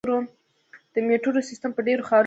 د میټرو سیستم په ډیرو ښارونو کې شته.